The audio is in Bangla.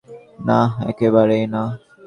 না, একেবারেই না।